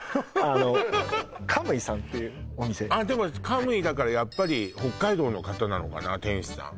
あのカムイさんっていうお店あっでも「カムイ」だからやっぱり北海道の方なのかな店主さん